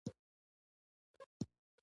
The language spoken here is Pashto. ډرامه د شخصیتونو انځور دی